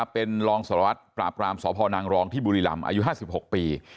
เป็นรองสารวัตรปราบรามสพนางรองที่บุรีรำอายุ๕๖ปี